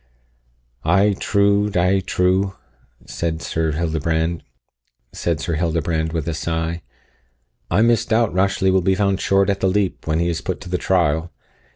"Ay, true, Die, true," said Sir Hildebrand, with a sigh, "I misdoubt Rashleigh will be found short at the leap when he is put to the trial.